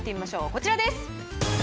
こちらです。